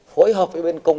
phối hợp với bên công an